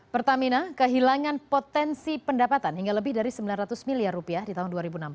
pertamina kehilangan potensi pendapatan hingga lebih dari sembilan ratus miliar rupiah di tahun dua ribu enam belas